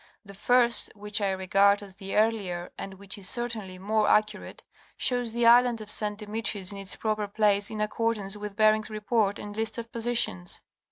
The first, which I regard as the earlier, and which is certainly more accu rate. shows the island of St. Demetrius in its proper place in accord ance with Bering's Report and list of positions.